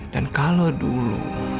dan kalau dulu